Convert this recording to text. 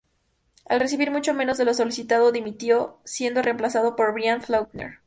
Al recibir mucho menos de lo solicitado, dimitió, siendo reemplazado por Brian Faulkner.